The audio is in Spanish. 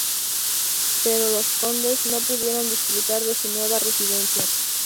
Pero los condes no pudieron disfrutar de su nueva residencia.